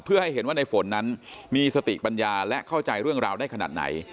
เพื่อให้เห็นว่าในฝนนั้นมีสติปัญญาและเข้าใจเรื่องราวได้ขนาดไหน